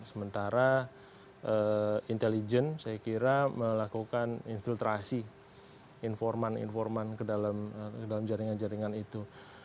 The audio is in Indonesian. sementara intelijen saya kira melakukan infiltrasi informan informan ke dalam jaringan jaringan itu